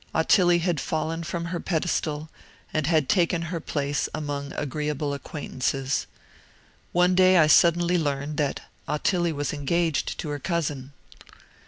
Ottilie had fallen from her pedestal, and had taken her place among agreeable acquaintances. One day I suddenly learned that Ottilie was engaged to her cousin.